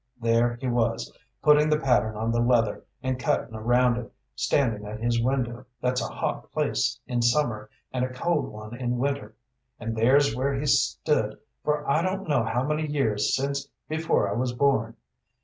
There he was, putting the pattern on the leather, and cuttin' around it, standin' at his window, that's a hot place in summer and a cold one in winter, and there's where he's stood for I don't know how many years since before I was born.